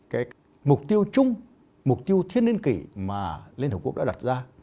cái mục tiêu chung mục tiêu thiên niên kỷ mà liên hợp quốc đã đặt ra